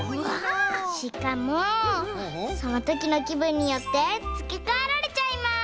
しかもそのときのきぶんによってつけかえられちゃいます！